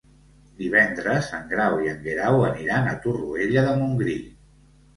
Divendres en Grau i en Guerau aniran a Torroella de Montgrí.